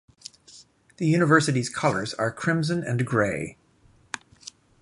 The university's colors are crimson and gray.